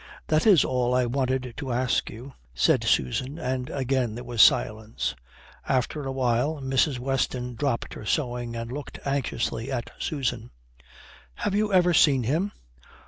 "That is all I wanted to ask you," said Susan, and again there was silence. After a little while Mrs. Weston dropped her sewing and looked anxiously at Susan. "Have you ever seen him?"